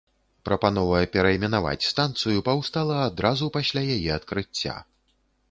Прапанова перайменаваць станцыю паўстала адразу пасля яе адкрыцця.